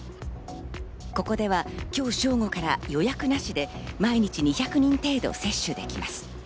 ここでは今日正午から予約なしで毎日２００人程度接種できます。